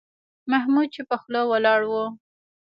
محمود چوپه خوله ولاړ و.